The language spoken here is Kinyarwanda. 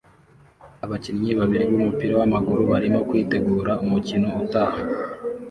Abakinnyi babiri b'umupira w'amaguru barimo kwitegura umukino utaha